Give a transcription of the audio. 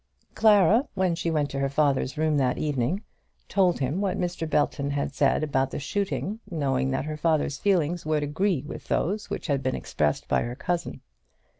Clara, when she went to her father's room that evening, told him what Mr. Belton had said about the shooting, knowing that her father's feelings would agree with those which had been expressed by her cousin.